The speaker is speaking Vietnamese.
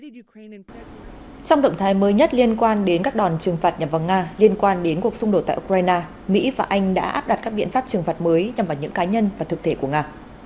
trong động thái mới nhất liên quan đến các đòn trừng phạt nhằm vào nga liên quan đến cuộc xung đột tại ukraine mỹ và anh đã áp đặt các biện pháp trừng phạt mới nhằm vào những cá nhân và thực thể của nga